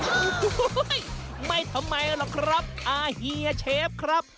โอ้โหไม่ทำไมหรอกครับอาเฮียเชฟครับ